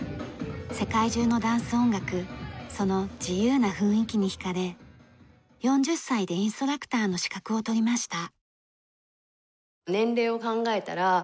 世界中のダンス音楽その自由な雰囲気に惹かれ４０歳でインストラクターの資格を取りました。